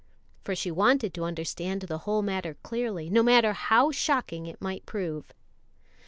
for she wanted to understand the whole matter clearly, no matter how shocking it might prove.